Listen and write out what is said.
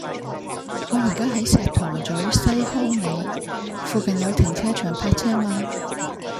我依家喺石塘咀西康里，附近有停車場泊車嗎